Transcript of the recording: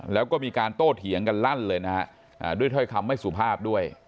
แล้วก็มีการโต้เถียงกันลั่นเลยนะฮะด้วยถ้อยคำไม่สุภาพด้วย